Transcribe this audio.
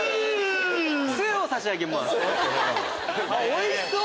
おいしそう！